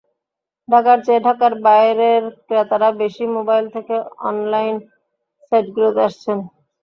ঢাকার চেয়ে ঢাকার বাইরের ক্রেতারা বেশি মোবাইল থেকে অনলাইন সাইটগুলোতে আসছেন।